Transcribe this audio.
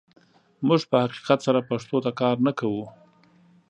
موږ په حقیقت سره پښتو ته کار نه کوو.